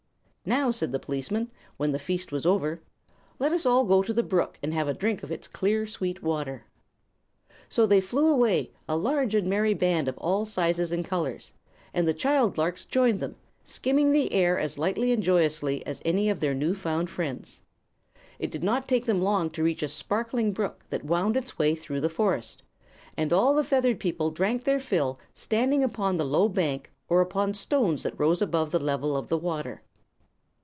"Now," said the policeman, when the feast was over, "let us all go to the brook and have a drink of its clear, sweet water." So they flew away, a large and merry band of all sizes and colors; and the child larks joined them, skimming the air as lightly and joyously as any of their new friends. It did not take them long to reach a sparkling brook that wound its way through the forest, and all the feathered people drank their fill standing upon the low bank or upon stones that rose above the level of the water.